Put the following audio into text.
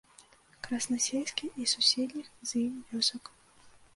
Краснасельскі і суседніх з ім вёсак.